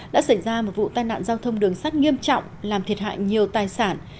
đã xảy ra một vụ tai nạn giao thông đường sắt nghiêm trọng làm thiệt hại nhiều tài sản